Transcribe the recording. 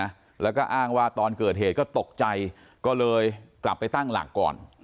นะแล้วก็อ้างว่าตอนเกิดเหตุก็ตกใจก็เลยกลับไปตั้งหลักก่อน